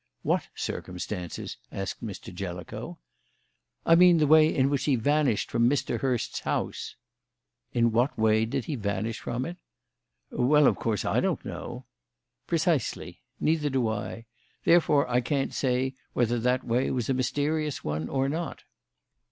"What circumstances?" asked Mr. Jellicoe. "I mean the way in which he vanished from Mr. Hurst's house." "In what way did he vanish from it?" "Well, of course, I don't know." "Precisely. Neither do I. Therefore I can't say whether that way was a mysterious one or not."